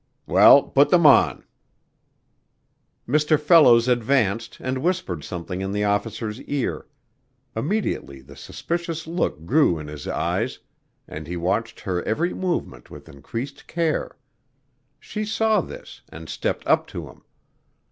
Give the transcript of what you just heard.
"Well, put them on." Mr. Fellows advanced and whispered something in the officer's ear. Immediately the suspicious look grew in his eyes, and he watched her every movement with increased care. She saw this and stepped up to him.